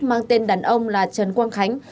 mang tên đàn ông là trần quang khánh